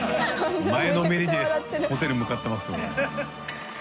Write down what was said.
前のめりでホテル向かってますね。